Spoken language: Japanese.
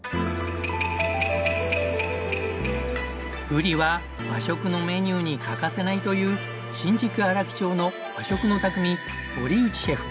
ブリは和食のメニューに欠かせないという新宿荒木町の和食の匠堀内シェフ。